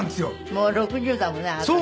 もう６０だもんねあなたね。